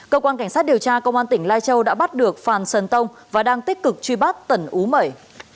cơ quan cảnh sát điều tra công an tỉnh lai châu đã bắt được phan sơn tông và đang tích cực truy bắt tần ú mẩy